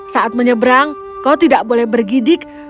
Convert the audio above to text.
saat menyeberang kau tidak boleh bergidik